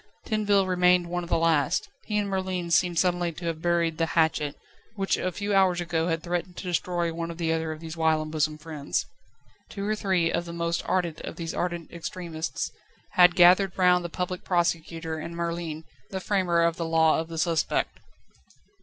Tinville remained one of the last; he and Merlin seemed suddenly to have buried the hatchet, which a few hours ago had threatened to destroy one or the other of these whilom bosom friends. Two or three of the most ardent of these ardent extremists had gathered round the Public Prosecutor, and Merlin, the framer of the Law of the Suspect.